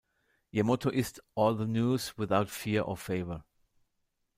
Ihr Motto ist "all the news without fear or favor".